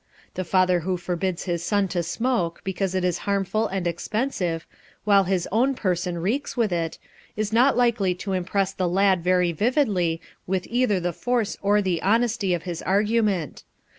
The father who forbids his son to smoke because it is harmful and expensive, while his own person reeks with it, is not likely to impress the lad very vividly with either the force or the honesty of his argument.